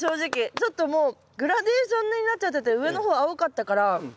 ちょっともうグラデーションになっちゃってて上の方青かったから。